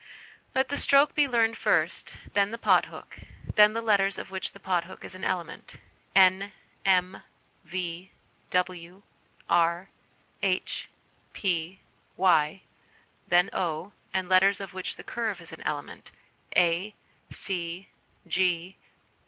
Let the stroke be learned first ; then the pothook ; then the letters of which the pothook is an element ,;;/, v, zu, r, h, p, y ; then o, and letters of which the curve is an element a, c